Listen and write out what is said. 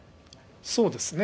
そうですね。